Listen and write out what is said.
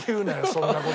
そんな事。